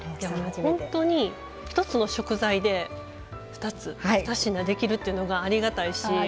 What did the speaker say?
本当に１つの食材で２品できるっていうのがありがたいし。